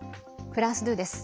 フランス２です。